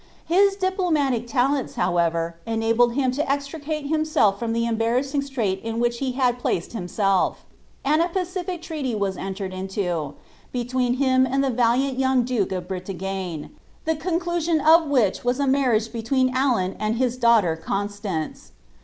Hi« diplomatic talents, however, enabled him to extricate himself from (he enibarrassing stiaic in which he had placed himself; and a pocilie ttcaiy was entered into, between him and the valiant young duke of Brcingne, the conclusion of which was a marriage between Alan and his daughter Constance.